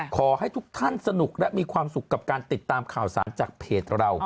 ขอให้ทุกท่านสนุกและมีความสุขกับการติดตามข่าวสารจากเพจเรา